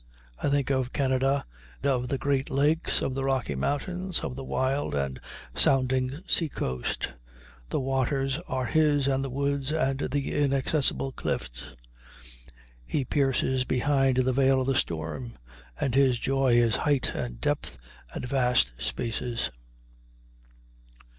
I think of Canada, of the Great Lakes, of the Rocky Mountains, of the wild and sounding seacoast. The waters are his, and the woods and the inaccessible cliffs. He pierces behind the veil of the storm, and his joy is height and depth and vast spaces.